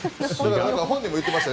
本人も言ってました。